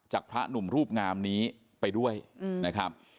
พระหนุ่มรูปงามนี้ไปด้วยนะครับ